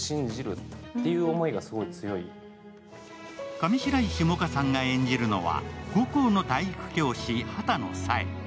上白石萌歌さんが演じるのは、高校の体育教師、畑野紗枝。